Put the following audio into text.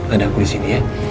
ada aku disini ya